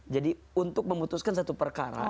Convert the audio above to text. jadi untuk memutuskan satu perkara